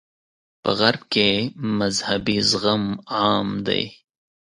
په غرب کې مذهبي زغم عام دی.